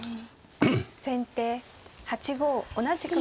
先手８五同じく歩。